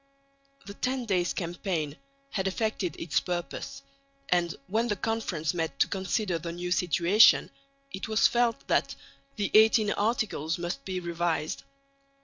The Ten Days' Campaign had effected its purpose; and, when the Conference met to consider the new situation, it was felt that the XVIII Articles must be revised.